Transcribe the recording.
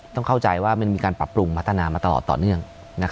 ต้องเข้าใจว่ามันมีการปรับปรุงพัฒนามาตลอดต่อเนื่อง